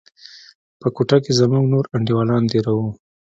په كوټه کښې زموږ نور انډيوالان دېره وو.